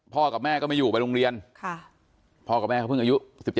พ่อกับแม่ก็ไม่อยู่ไปโรงเรียนพ่อกับแม่พึ่งอายุ๑๗๑๘